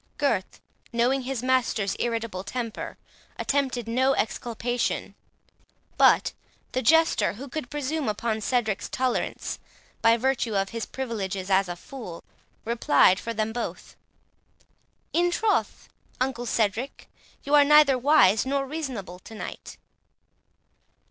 Gurth, knowing his master's irritable temper, attempted no exculpation; but the Jester, who could presume upon Cedric's tolerance, by virtue of his privileges as a fool, replied for them both; "In troth, uncle Cedric, you are neither wise nor reasonable to night."